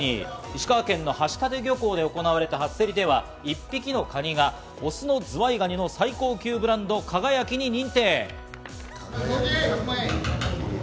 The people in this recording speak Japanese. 石川県橋立漁港で行われた初競りでは１匹のカニがオスのズワイガニの最高級ブランド「輝」に認定。